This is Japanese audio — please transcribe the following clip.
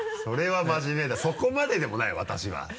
それは真面目だそこまででもない私は。